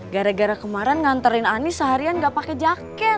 gara gara kemarin nganterin ani seharian gak pake jaket